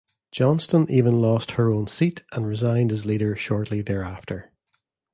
Johnston even lost her own seat and resigned as leader shortly thereafter.